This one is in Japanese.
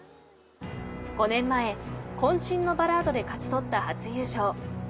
５年前渾身のバラードで勝ち取った初優勝。